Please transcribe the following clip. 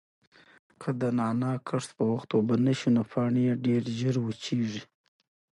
که د نعناع کښت په وخت اوبه نشي نو پاڼې یې ډېرې ژر وچیږي.